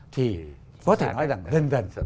thì có thể nói rằng gần gần